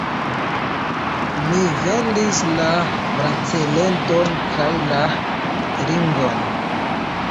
Mi vendis la braceleton kaj la ringon.